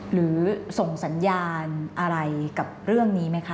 หรือส่งสัญญาณอะไรกับเรื่องนี้ไหมคะ